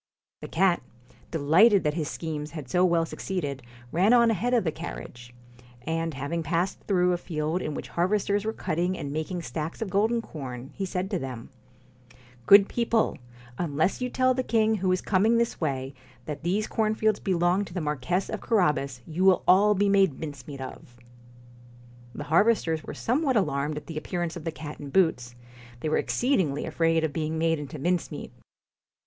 The cat, delighted that his schemes had so well succeeded, ran on ahead of the carriage; and having passed through a field in which harvesters were cutting and making stacks of golden corn, he said to them :' Good people ! unless you tell the king who is coming this way that these cornfields belong to the Marquess of Carabas, you will all be made mincemeat of.' The harvesters were somewhat alarmed at the appearance of the cat in boots ; they were exceed ingly afraid of being made into mincemeat.